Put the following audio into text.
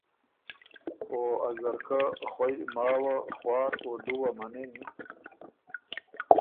او ا ځرکۀ خوئ ماوه، خوار او دُوه منِن۔